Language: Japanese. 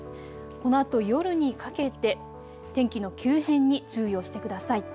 このあと夜にかけて天気の急変に注意をしてください。